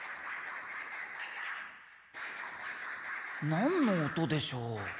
なんの音でしょう？